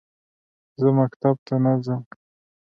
زه مکتب ته نه ځم